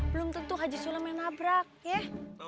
belum tentu haji sulam yang nabrak ya